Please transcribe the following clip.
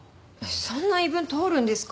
そんな言い分通るんですか？